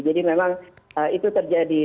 jadi memang itu terjadi